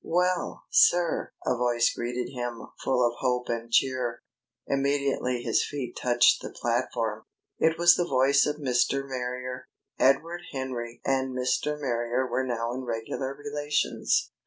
"Well, sir!" a voice greeted him full of hope and cheer, immediately his feet touched the platform. It was the voice of Mr. Marrier. Edward Henry and Mr. Marrier were now in regular relations.